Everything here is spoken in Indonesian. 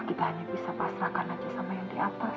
kita hanya bisa pasrahkan aja sama yang di atas